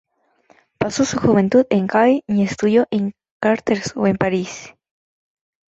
Pasó su juventud en Caen y estudió o en Chartres o en París.